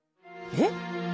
えっ？